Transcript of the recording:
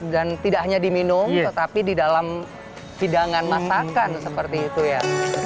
dan tidak hanya diminum tetapi di dalam hidangan masakan seperti itu ya